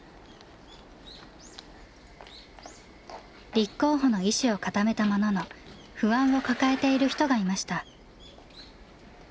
立候補の意思を固めたものの不安を抱えている人がいました。